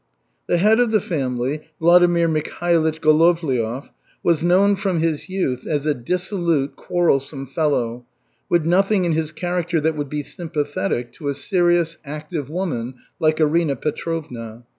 The head of the family, Vladimir Mikhailych Golovliov, was known from his youth as a dissolute, quarrelsome fellow, with nothing in his character that would be sympathetic to a serious, active woman like Arina Petrovna.